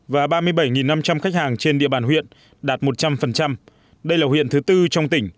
và ba mươi bảy năm trăm linh khách hàng trên địa bàn huyện đạt một trăm linh đây là huyện thứ tư trong tỉnh